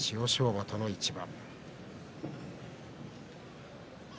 馬との一番。